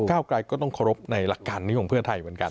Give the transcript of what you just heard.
ไกรก็ต้องเคารพในหลักการนี้ของเพื่อไทยเหมือนกัน